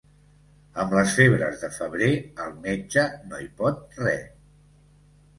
Amb les febres de febrer el metge no hi pot res.